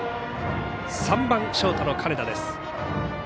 ３番、ショートの金田です。